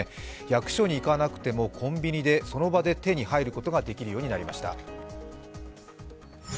役所に行かなくてもコンビニでその場で手に入ることができるようになりました。